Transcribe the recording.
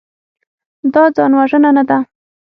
دا ځانوژنه نه ده.